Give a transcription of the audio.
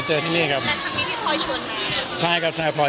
หรือว่าไม่ค่อย